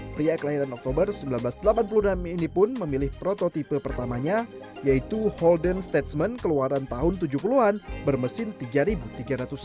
pria kelahiran oktober seribu sembilan ratus delapan puluh enam ini pun memilih prototipe pertamanya yaitu holden statement keluaran tahun tujuh puluh an bermesin tiga tiga ratus lima puluh